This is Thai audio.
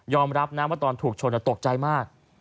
ยอมรับน้ำว่าตอนถูกชนตกใจมาก